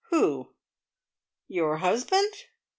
"Who? Your husband?"